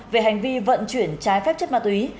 về hành vi vận chuyển trái phép chất ma túy